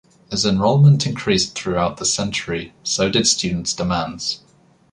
As enrollment increased throughout the century, so did students' demands.